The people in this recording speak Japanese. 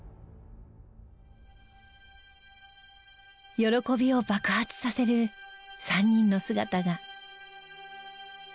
喜びを爆発させる３人の姿が。